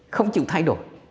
không chịu thay đổi